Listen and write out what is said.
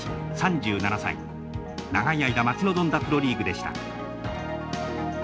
長い間待ち望んだプロリーグでした。